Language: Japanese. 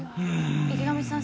池上さん